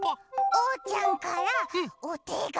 おうちゃんからおてがみです！